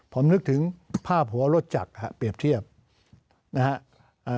ผมนึกถึงภาพหัวรถจักรฮะเปรียบเทียบนะฮะ